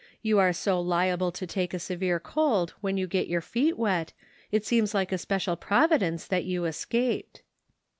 You are so liable to take a severe cold when you get your feet wet, it seems like a special Providence that you escaped."